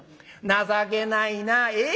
「情けないなええ